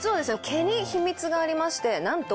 毛に秘密がありましてなんと。